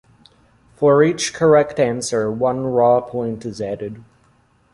For each correct answer, one raw point is added.